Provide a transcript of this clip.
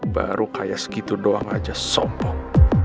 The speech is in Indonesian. baru kayak segitu doang aja sompong